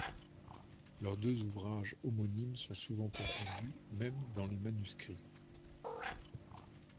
Leurs deux ouvrages homonymes sont souvent confondus, même dans les manuscrits.